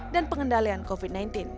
dan pengendalian covid sembilan belas